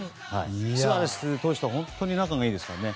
スアレス投手とは本当に仲がいいですからね。